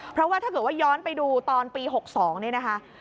เพราะว่าถ้าเกิดว่าย้อนไปดูตอนปี๖๒นี่นะคะ